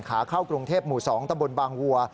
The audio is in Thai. ขาเข้ากรุงเทพหมู่๒ตำบลบางวัว